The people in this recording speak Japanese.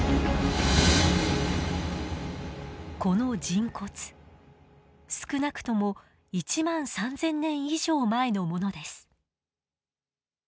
この人骨少なくとも１万３，０００年以上前のものです。